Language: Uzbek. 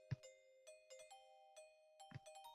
Bir voqea bo‘ldiki, hech bovurimdan ketmayapti....